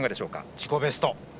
自己ベスト